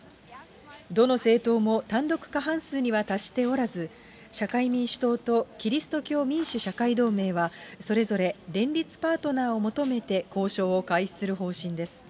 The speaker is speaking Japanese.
どの政党も単独過半数には達しておらず、社会民主党とキリスト教民主・社会同盟は、それぞれ連立パートナーを求めて交渉を開始する方針です。